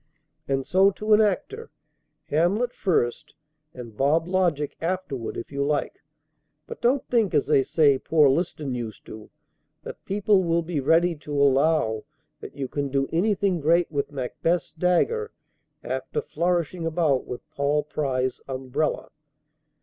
And so to an actor: Hamlet first and Bob Logic afterward, if you like; but don't think, as they say poor Liston used to, that people will be ready to allow that you can do anything great with Macbeth's dagger after flourishing about with Paul Pry's umbrella.